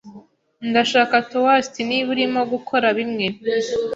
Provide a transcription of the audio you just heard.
Ndashaka toast niba urimo gukora bimwe.